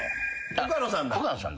岡野さんだ。